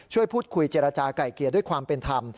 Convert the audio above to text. พูดคุยเจรจาไก่เกลียด้วยความเป็นธรรม